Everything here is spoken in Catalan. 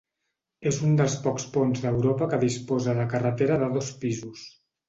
És un dels pocs ponts d'Europa que disposa de carretera de dos pisos.